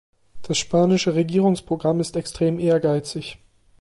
Das spanische Regierungsprogramm ist extrem ehrgeizig.